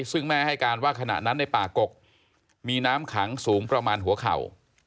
ซึ่งแม่ให้การว่าขณะนั้นในป่ากกมีน้ำขังสูงประมาณหัวเข่า